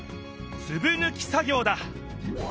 つぶぬき作業だ。